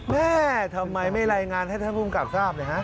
แม่ทำไมไม่รายงานให้ท่านภูมิกับทราบเลยฮะ